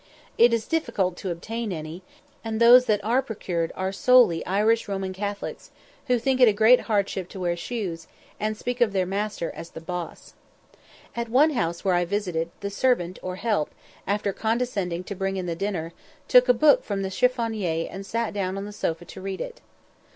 It is difficult to obtain any, and those that are procured are solely Irish Roman Catholics, who think it a great hardship to wear shoes, and speak of their master as the "boss." At one house where I visited, the servant or "help," after condescending to bring in the dinner, took a book from the chiffonier, and sat down on the sofa to read it.